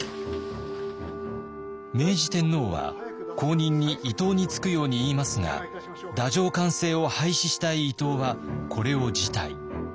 明治天皇は後任に伊藤につくように言いますが太政官制を廃止したい伊藤はこれを辞退。